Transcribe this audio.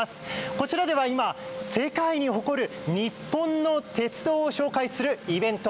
こちらでは今、世界に誇る日本の鉄道を紹介するイベント